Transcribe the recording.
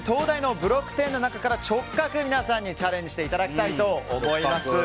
ブロック１０の中からチョッカクを皆さんにチャレンジしていただきたいと思います。